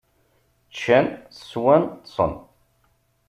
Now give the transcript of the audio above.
Ččan, sswan, ṭṭsen.